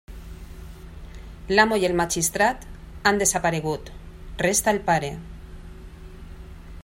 L'amo i el magistrat han desaparegut; resta el pare.